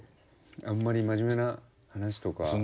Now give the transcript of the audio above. あんまり真面目な話とか。